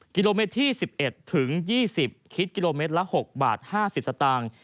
กิโลเมตรที่๑๑ถึง๒๐คิดกิโลเมตรละ๖บาท๕๐สตางค์